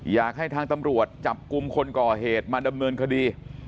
อยากให้ทางตำรวจจับกลุ่มคนก่อเหตุมาดำเนินคดี